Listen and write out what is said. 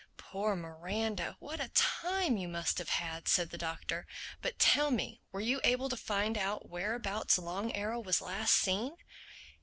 "Poor Miranda! What a time you must have had!" said the Doctor. "But tell me, were you able to find out whereabouts Long Arrow was last seen?"